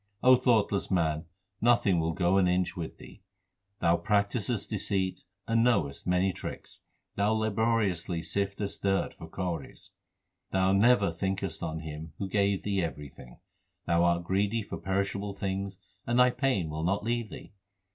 O thoughtless man, nothing will go an inch with thee. Thou practisest deceit, and knowest many tricks ; Thou laboriously siftest dirt for kauris ; Thou never thinkest on Him who gave thee everything ; Thou art greedy for perishable things, and thy pain will not leave thee.